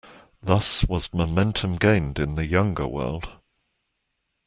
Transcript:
Thus was momentum gained in the Younger World.